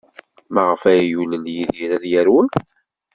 Maɣef ay yulel Yidir ad yerwel?